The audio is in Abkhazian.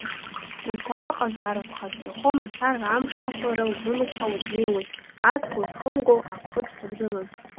Лгәалаҟазаара ԥхасҭахо мацара, амш ахәлара лзымчҳауа днеиуан, аҵх лызхымго аԥхыӡқәа дрылан.